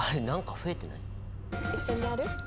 何か増えてない？